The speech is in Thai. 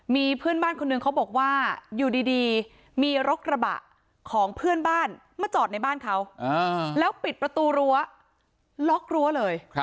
มีเพื่อนบ้านคนหนึ่งเขาบอกว่าอยู่ดีมีรถกระบะของเพื่อนบ้านมาจอดในบ้านเขาแล้วปิดประตูรั้วล็อกรั้วเลย